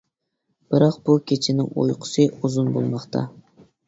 بىراق بۇ كېچىنىڭ ئۇيقۇسى ئۇزۇن بولماقتا.